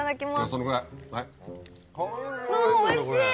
そのぐらい。